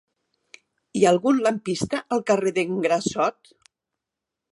Hi ha algun lampista al carrer d'en Grassot?